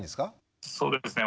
そうですね。